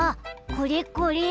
これこれ！